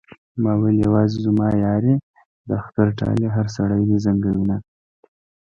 ما ويل يوازې زما يار يې د اختر ټال يې هر سړی دې زنګوينه